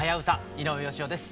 井上芳雄です。